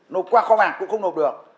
nộp qua kho bạc cũng không nộp được